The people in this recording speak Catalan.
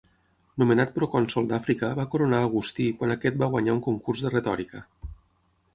Nomenat procònsol d'Àfrica va coronar a Agustí quan aquest va guanyar un concurs de retòrica.